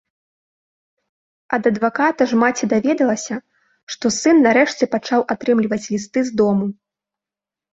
Ад адваката ж маці даведалася, што сын нарэшце пачаў атрымліваць лісты з дому.